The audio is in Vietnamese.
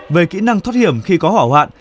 về kỹ năng thoát hiểm khi có hỏa hoạn